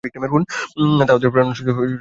তাঁহাদের প্রেরণাশক্তি ধর্ম হইতে আসিয়াছে।